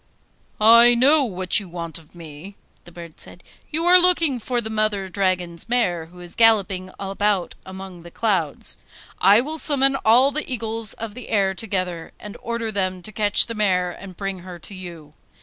'I know what you want of me,' the bird said. 'You are looking for the Mother Dragon's mare who is galloping about among the clouds. I will summon all the eagles of the air together, and order them to catch the mare and bring her to you.